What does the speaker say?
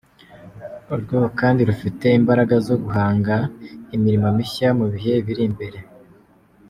Uru rwego kandi rufite imbaraga zo guhanga imirimo mishya mu bihe biri imbere.